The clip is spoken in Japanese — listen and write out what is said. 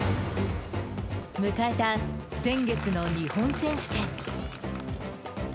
迎えた先月の日本選手権。